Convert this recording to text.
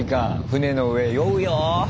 船の上酔うよ。